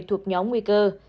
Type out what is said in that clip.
một nhóm nguy cơ